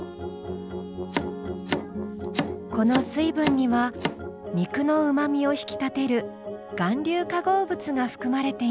この水分には肉のうまみを引き立てる含硫化合物が含まれています。